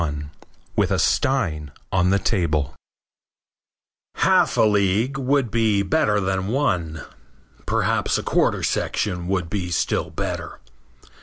XXXI WITH A STEIN ON THE TABLE Half a League would be better than one. Perhaps a quarter section would be still better.